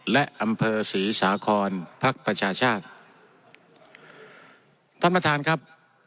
และอำเภอศรีสาครพักประชาชาติท่านประธานครับ